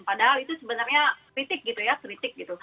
padahal itu sebenarnya kritik